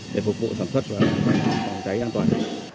để phục vụ sản xuất và phòng cháy an toàn